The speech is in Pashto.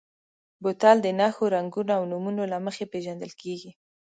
بوتل د نښو، رنګونو او نومونو له مخې پېژندل کېږي.